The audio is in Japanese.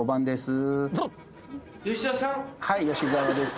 はい吉澤です。